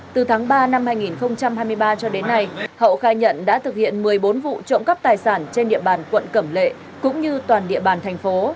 từ tháng ba năm hai nghìn hai mươi ba cho đến nay hậu khai nhận đã thực hiện một mươi bốn vụ trộm cắp tài sản trên địa bàn quận cẩm lệ cũng như toàn địa bàn thành phố